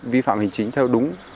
vi phạm hình chính theo đúng